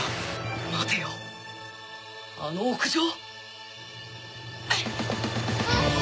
待てよあの屋上！